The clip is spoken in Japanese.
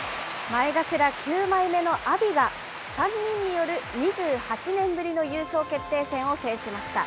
前頭９枚目の阿炎が、３人による２８年ぶりの優勝決定戦を制しました。